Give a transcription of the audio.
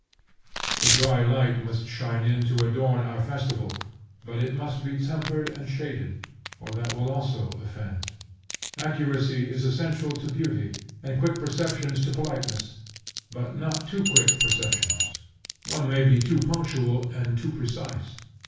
The dry light must shine in to adorn our festival, but it must be tempered and shaded, or that will also offend. Accuracy is essential to beauty, and quick perceptions to politeness, but not too quick perceptions. One may be too punctual and too precise.